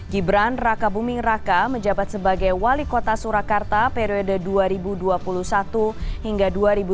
gibran raka buming raka menjabat sebagai wali kota surakarta periode dua ribu dua puluh satu hingga dua ribu dua puluh